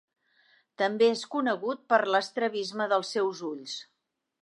També és conegut per l'estrabisme dels seus ulls.